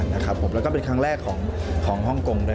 งานและก็เป็นครั้งแรกของฮ่องกง